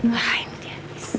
wah ini dia